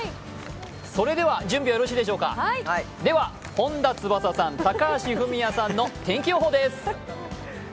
それでは準備はよろしいでしょうか、では本田翼さん、高橋文哉さんの天気予報です。